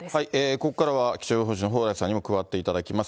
ここからは気象予報士の蓬莱さんにも加わっていただきます。